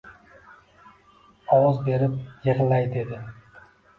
Ovoz berib, yig‘lay, dedi.